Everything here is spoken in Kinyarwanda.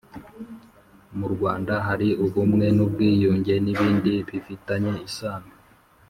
Mu Rwanda hari ubumwe n’ubwiyunge n’ibindi bifitanye isano